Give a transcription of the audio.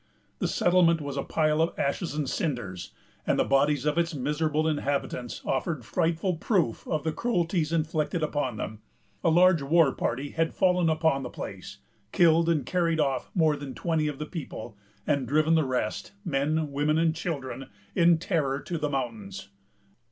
The settlement was a pile of ashes and cinders, and the bodies of its miserable inhabitants offered frightful proof of the cruelties inflicted upon them. A large war party had fallen upon the place, killed and carried off more than twenty of the people, and driven the rest, men, women, and children, in terror to the mountains.